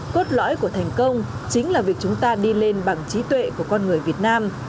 cốt lõi của thành công chính là việc chúng ta đi lên bằng trí tuệ của con người việt nam